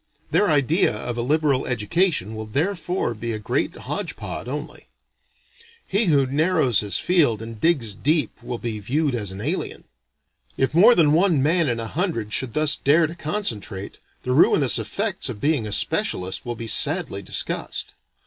Their idea of a liberal education will therefore be a great hodge pod only. He who narrows his field and digs deep will be viewed as an alien. If more than one man in a hundred should thus dare to concentrate, the ruinous effects of being a specialist will be sadly discussed.